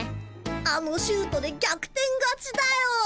あのシュートで逆転勝ちだよ。